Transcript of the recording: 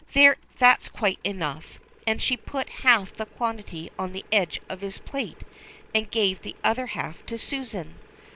" There, that's quite enough," and she put half the quantity on the edge of his plate and gave the other half to Susan.